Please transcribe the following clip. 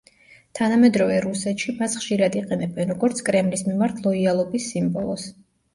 თანამედროვე რუსეთში მას ხშირად იყენებენ, როგორც კრემლის მიმართ ლოიალობის სიმბოლოს.